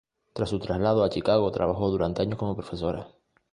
Tras su traslado a Chicago, trabajó durante años como profesora.